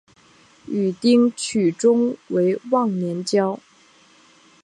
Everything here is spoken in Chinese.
与丁取忠为忘年交。